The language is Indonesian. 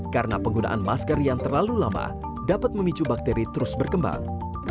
karena penggunaan masker yang terlalu lama dapat memicu bakteri terus berkembang